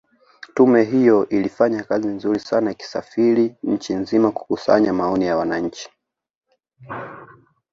Tume hiyo ilifanya kazi nzuri sana ikisafiri nchi nzima kukusanya maoni ya wananchi